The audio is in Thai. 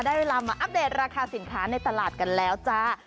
เวลามาอัปเดตราคาสินค้าในตลาดกันแล้วจ้า